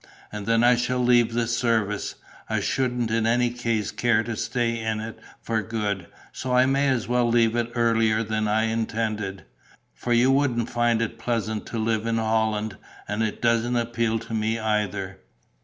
And then I shall leave the service. I shouldn't in any case care to stay in it for good, so I may as well leave it earlier than I intended. For you wouldn't find it pleasant to live in Holland; and it doesn't appeal to me either."